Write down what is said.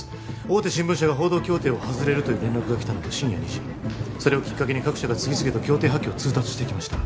大手新聞社が報道協定を外れるという連絡がきたのは深夜２時それをきっかけに各社が次々と協定破棄を通達してきました